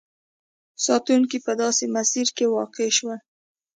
ساتونکي په داسې مسیر کې واقع شول.